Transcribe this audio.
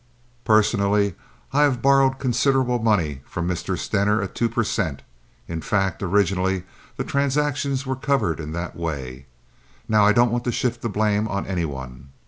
Personally I have borrowed considerable money from Mr. Stener at two per cent. In fact, originally the transactions were covered in that way. Now I don't want to shift the blame on any one.